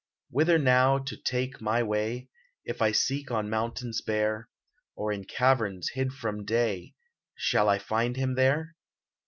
Whither now to take my way ? If I seek on mountains bare. Or in caverns hid from day, — Shall I find him there